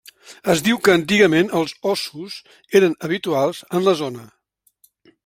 Es diu que antigament els ossos eren habituals en la zona.